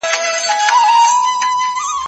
زه اوس مېوې راټولوم!؟